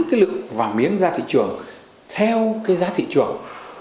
cái lượng vàng miếng ra thị trường theo cái giá thị trường